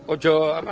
oh jawa apa